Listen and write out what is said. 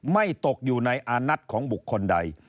ตกอยู่ในอานัทของบุคคลใด